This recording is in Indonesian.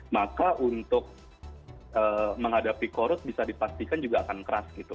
maka untuk menghadapi korup bisa dipastikan juga akan keras gitu